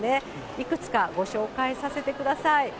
いくつかご紹介させてください。